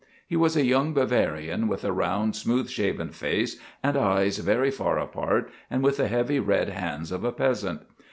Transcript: He was a young Bavarian, with a round, smooth shaven face and eyes very far apart, and with the heavy red hands of a peasant.